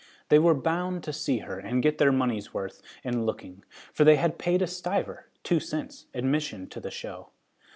They were bound to see her and get their money's worth in looking, for they had paid a stiver (two cents) admission to the show.